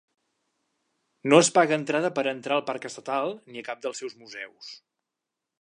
No es paga entrada per entrar al parc estatal ni a cap dels seus museus.